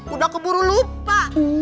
udah keburu lupa